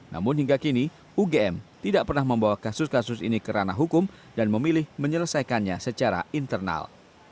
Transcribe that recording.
namun hingga kini ugm tidak pernah membawa kasus kasus ini ke ranah hukum dan memilih menyelesaikannya secara internal